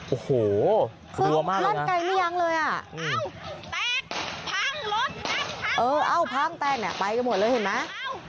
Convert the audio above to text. โอ้โหดัวมากเลยนะลั่นไกลเมียงเลยเอ้าแตกพังลดเอ้าพังแตกเนี่ยไปกันหมดเลยเห็นไหม